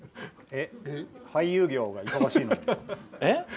俳優業が忙しいんですか。